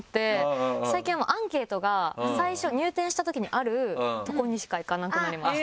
最近はアンケートが最初入店したときにあるとこにしか行かなくなりました。